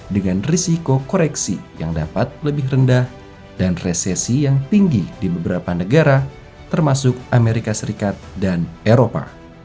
dengan risiko koreksi yang dapat lebih rendah dan resesi yang tinggi di beberapa negara termasuk amerika serikat dan eropa